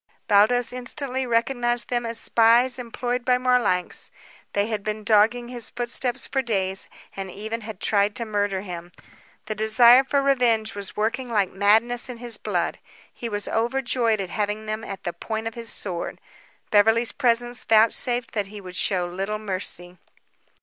Baldos instantly recognized them as spies employed by Marlanx. They had been dogging his footsteps for days and even had tried to murder him, The desire for vengeance was working like madness in his blood. He was overjoyed at having them at the point of his sword. Beverly's presence vouchsafed that he would show little mercy.